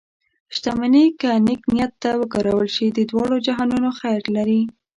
شتمني که نیک نیت ته وکارول شي، د دواړو جهانونو خیر لري.